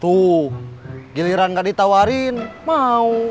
tuh giliran nggak ditawarin mau